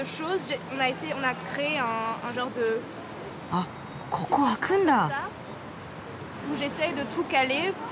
あっここ開くんだ。